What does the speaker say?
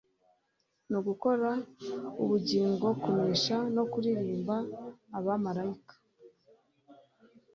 nugukora ubugingo kunesha no kuririmba abamarayika